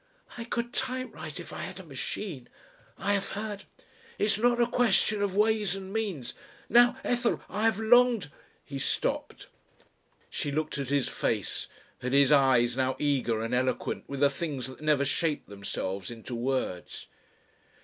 "I could typewrite if I had a machine. I have heard " "It's not a question of ways and means. Now. Ethel I have longed " He stopped. She looked at his face, at his eyes now eager and eloquent with the things that never shaped themselves into words.